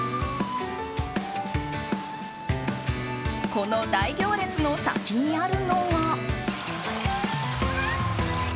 この大行列の先にあるのが。